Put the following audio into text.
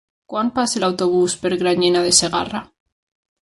Quan passa l'autobús per Granyena de Segarra?